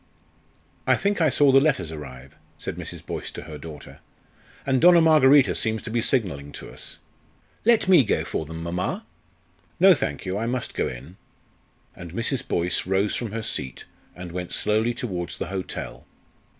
"I think I saw the letters arrive," said Mrs. Boyce to her daughter. "And Donna Margherita seems to be signalling to us." "Let me go for them, mamma." "No, thank you, I must go in." And Mrs. Boyce rose from her seat, and went slowly towards the hotel.